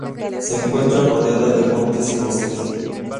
Se encuentra rodeado de montes y bosques.